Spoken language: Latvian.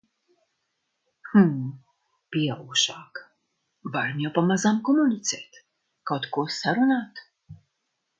Hmm... pieaugušāka. Varam jau pamazām komunicēt, kaut ko sarunāt.